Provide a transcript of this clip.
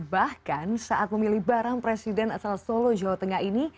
bahkan saat memilih barang presiden asal solo jawa tengah ini